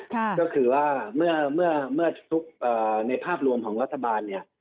ก็คือว่าเมื่อทุกในภาพรวมของรัฐบาลเนี่ย